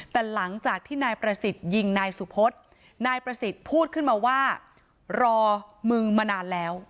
แต่หลังจากที่นายประสิทธิ์ยิงนายสุพธนายประสิทธิ์พูดขึ้นมาว่ารอมึงมานานแล้ว